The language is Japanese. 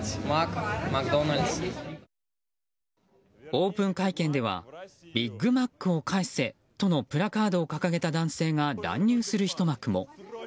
オープン会見では「ビッグマックを返せ」とのプラカードを掲げた男性が乱入するひと幕も。